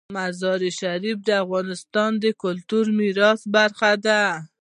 مزارشریف د افغانستان د کلتوري میراث برخه ده.